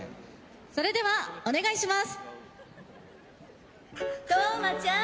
それではお願いします。